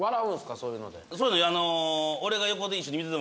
そういうので。